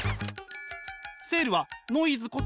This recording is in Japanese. セールはノイズこと